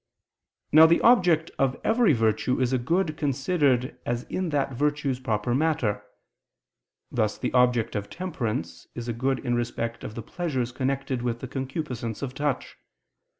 Now the object of every virtue is a good considered as in that virtue's proper matter: thus the object of temperance is a good in respect of the pleasures connected with the concupiscence of touch.